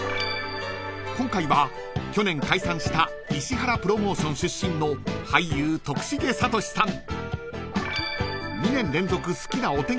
［今回は去年解散した石原プロモーション出身の俳優徳重聡さん］